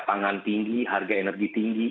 pangan tinggi harga energi tinggi